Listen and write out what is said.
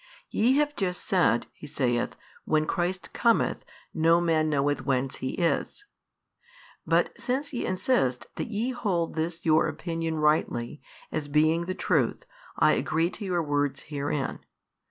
Ye have just said (He saith) When Christ cometh, no man knoweth whence He is. But since ye insist that ye hold this your opinion rightly, as being the truth, I agree to your words herein.